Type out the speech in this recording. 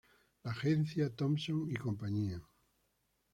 La agencia Thompson y Cía.